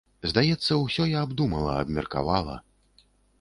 Здаецца, усё я абдумала, абмеркавала.